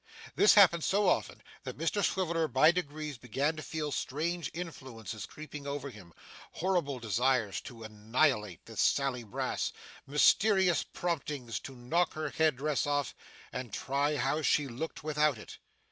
This happened so often, that Mr Swiveller by degrees began to feel strange influences creeping over him horrible desires to annihilate this Sally Brass mysterious promptings to knock her head dress off and try how she looked without it.